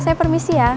saya permisi ya